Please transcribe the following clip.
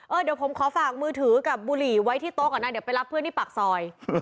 เดี๋ยวผมขอฝากมือถือกับบุหรี่ไว้ที่โต๊ะก่อนนะเดี๋ยวไปรับเพื่อนที่ปากซอย